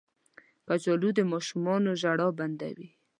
کچالو د ماشومانو ژړا بندوي